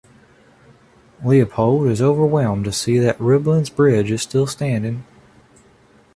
Leopold is overwhelmed to see that Roebling's bridge is still standing.